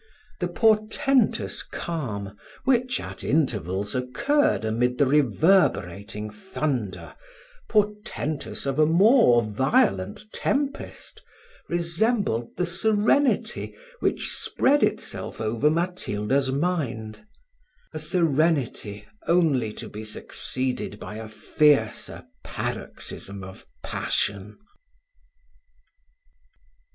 The portentous calm, which at intervals occurred amid the reverberating thunder, portentous of a more violent tempest, resembled the serenity which spread itself over Matilda's mind a serenity only to be succeeded by a fiercer paroxysm of passion.